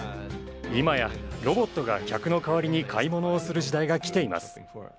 今やロボットが客の代わりに買い物をする時代が来ています。